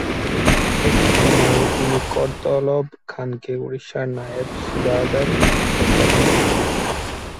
একই সময়ে তিনি করতলব খানকে উড়িষ্যার নায়েব সুবাহদার নিযুক্ত করেন।